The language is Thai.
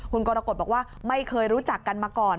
คุณกรกฎบอกว่าไม่เคยรู้จักกันมาก่อน